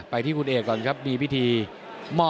ที่คุณเอกก่อนครับมีพิธีมอบ